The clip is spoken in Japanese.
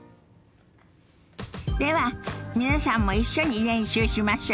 では皆さんも一緒に練習しましょ。